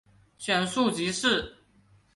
选庶吉士。